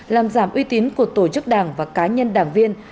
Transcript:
làm giảm uy tín của tổ chức đảng và cá nhân đảng viên